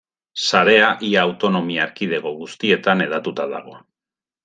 Sarea ia autonomia erkidego guztietan hedatuta dago.